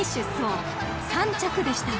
［３着でした］